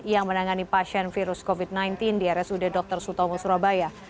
yang menangani pasien virus covid sembilan belas di rsud dr sutomo surabaya